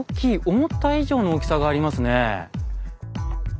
思った以上の大きさがありますね。